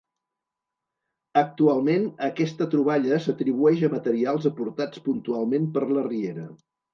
Actualment aquesta troballa s'atribueix a materials aportats puntualment per la riera.